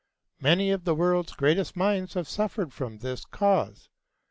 Many of the world's greatest minds have suffered from this cause.